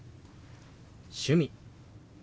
「趣味」。